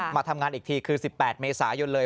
มาทำงานอีกทีคือ๑๘เมษายนเลย